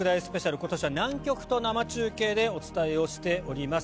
今年は南極と生中継でお伝えをしております。